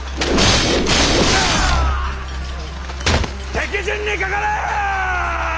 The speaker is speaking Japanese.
敵陣にかかれ！